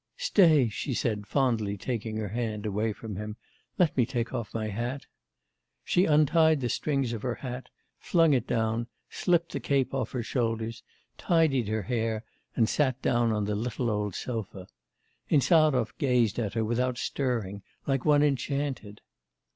'Stay,' she said, fondly taking her hand away from him, 'let me take off my hat.' She untied the strings of her hat, flung it down, slipped the cape off her shoulders, tidied her hair, and sat down on the little old sofa. Insarov gazed at her, without stirring, like one enchanted.